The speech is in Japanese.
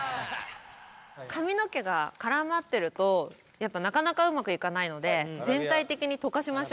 髪の毛が絡まってるとなかなかうまくいかないので全体的にとかしましょう。